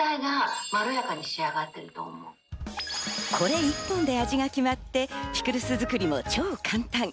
これ１本で味が決まって、ピクルス作りも超簡単。